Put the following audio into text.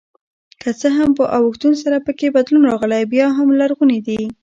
که څه هم په اوښتون سره پکې بدلون راغلی بیا هم لرغوني دي.